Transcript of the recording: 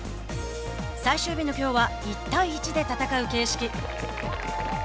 最終日のきょうは１対１で戦う形式。